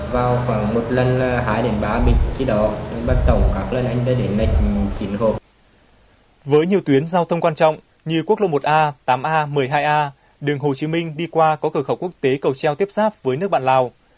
với nhiều tuyến giao thông quan trọng như quốc lộ một a tám a một mươi hai a đường hồ chí minh đi qua có cửa khẩu quốc tế cầu treo tiếp sáp với nước bạn lào